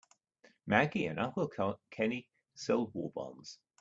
Maggie and Uncle Kenny sold war bonds.